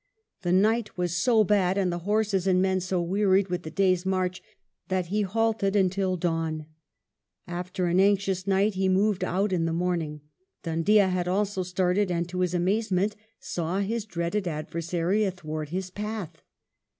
The night was so bad, and the horses and men so wearied with the day's march, that he halted until dawn. After an anxious night, he moved out in the morning. Dhoondiah had also started, and to his amazement saw his dreaded adversary athwart his path.